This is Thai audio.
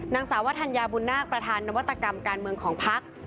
นางสาววทัญญาบุญนาคประธานนวัตกรรมการเมืองของพัก